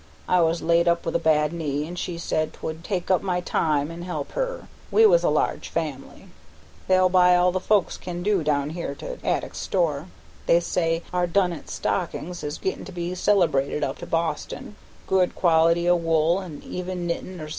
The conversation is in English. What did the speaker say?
I was laid up with a bad knee, an' she said 'twould take up my time an' help her; we was a large family. They'll buy all the folks can do down here to Addicks' store. They say our Dunnet stockin's is gettin' to be celebrated up to Boston, good quality o' wool an' even knittin' or somethin'.